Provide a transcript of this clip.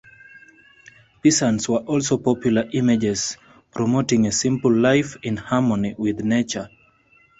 Peasants were also popular images, promoting a simple life in harmony with nature.